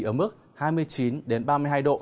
ở mức hai mươi chín ba mươi hai độ